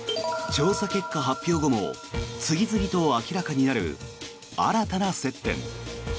調査結果発表後も次々と明らかになる新たな接点。